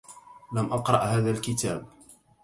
لم أقرأ هذا الكتاب.